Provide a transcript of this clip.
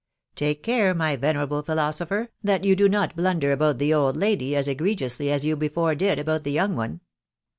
" Take care, my venerable philosopher, that you, da not blunder about the old lady as egregpw&ly as you, before did about the young one.